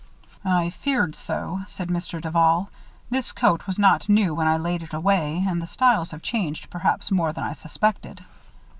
"I feared so," said Mr. Duval. "This coat was not new when I laid it away and the styles have changed perhaps more than I suspected."